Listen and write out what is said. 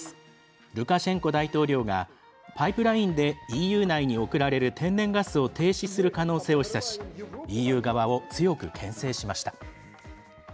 ルカシェンコ大統領がパイプラインでＥＵ内に送られる天然ガスを停止する可能性を示唆しＥＵ側を強く、けん制しました。